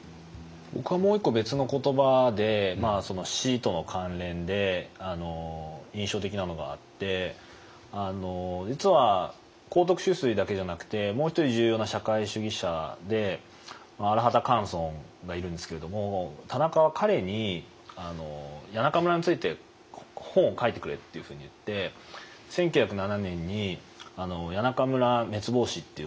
僕はもう一個別の言葉でその死との関連で印象的なのがあって実は幸徳秋水だけじゃなくてもう一人重要な社会主義者で荒畑寒村がいるんですけれども田中は彼に「谷中村について本を書いてくれ」っていうふうに言って１９０７年に「谷中村滅亡史」っていう本が出てるんですね。